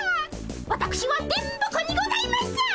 わたくしは電ボ子にございます！